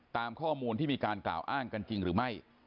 ตามข้อมูลที่มีการกล่าวอ้างกันจริงหรือไม่